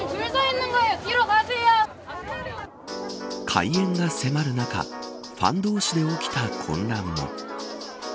開演が迫る中ファン同士で起きた混乱も。